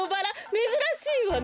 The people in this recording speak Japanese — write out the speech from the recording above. めずらしいわね。